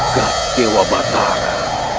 jaga dewa batara